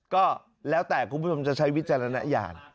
ก็แล้วแต่คุณผู้ชมจะใช้วิจารณญาณ